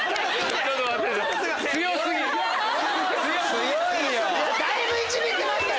強いよ！